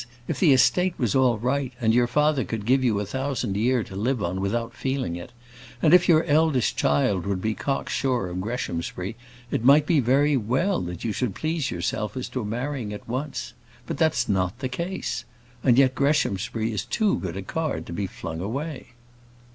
If the estate was all right, and your father could give you a thousand a year to live on without feeling it, and if your eldest child would be cock sure of Greshamsbury, it might be very well that you should please yourself as to marrying at once. But that's not the case; and yet Greshamsbury is too good a card to be flung away."